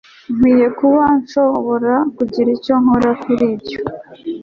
Nkwiye kuba nshobora kugira icyo nkora kuri ibyo